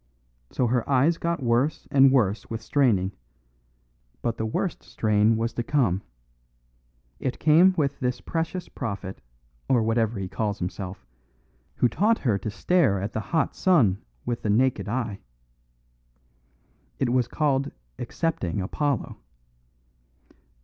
So her eyes got worse and worse with straining; but the worst strain was to come. It came with this precious prophet, or whatever he calls himself, who taught her to stare at the hot sun with the naked eye. It was called accepting Apollo.